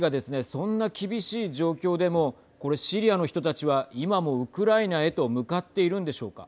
そんな厳しい状況でもこれシリアの人たちは今もウクライナへと向かっているんでしょうか。